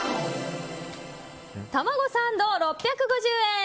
たまごサンド、６５０円。